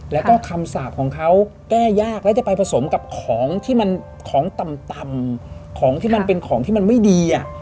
แล้วก็คำสาปของเขาแก้ยากแล้วจะไปผสมกับของที่มันของต่ำของที่มันเป็นของที่มันไม่ดี